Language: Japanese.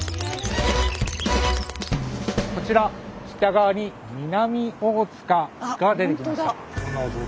こちら北側に南大塚が出てきました。